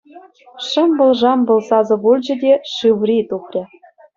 Шӑмпӑл-шампӑл сасӑ пулчӗ те, Шыври тухрӗ.